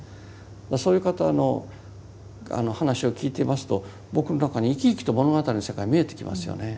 そういう方の話を聞いていますと僕の中に生き生きと物語の世界見えてきますよね。